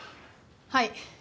はい。